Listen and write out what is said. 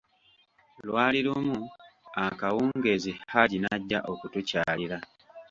Lwali lumu, akawungeezi, Haji n'ajja okutukyalira.